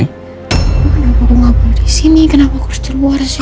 ngapain aku ngapain di sini kenapa aku harus di luar sih